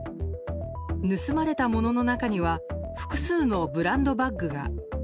盗まれたものの中には複数のブランドバッグが。